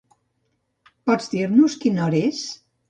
Pots dir-nos quina hora és?